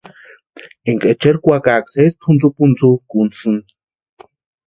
Énka echeri kwakaa sési pʼuntsupʼuntsukʼuntisïni.